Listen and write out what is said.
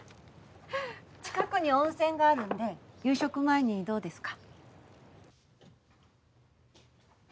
近くに温泉があるんで夕食前にどうですか？